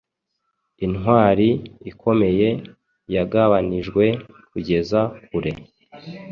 Intwari ikomeye yagabanijwe kugeza kure